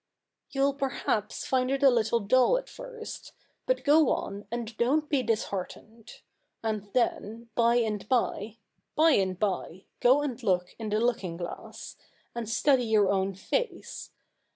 You'll perhaps find it a little dull at first ; but go on, and don't be disheartened; and then — by and by — by and by, go and look in the looking glass, and study your own face.